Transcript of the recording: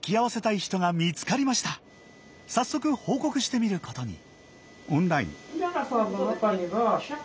早速報告してみることに。